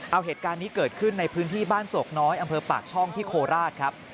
เอาเหตุการณ์นี้เกิดขึ้นในพื้นที่บ้านโศกน้อยอำเภอปากช่องที่โคราชครับ